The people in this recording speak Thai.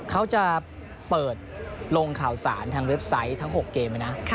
เขาจะเปิดลงข่าวสารทางเว็บไซต์ทั้ง๖เกมนะ